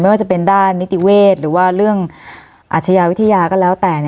ว่าจะเป็นด้านนิติเวศหรือว่าเรื่องอาชญาวิทยาก็แล้วแต่